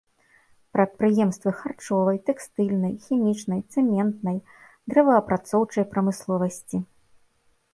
Прадпрыемствы харчовай, тэкстыльнай, хімічнай, цэментнай, дрэваапрацоўчай прамысловасці.